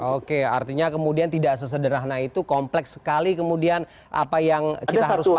oke artinya kemudian tidak sesederhana itu kompleks sekali kemudian apa yang kita harus pahami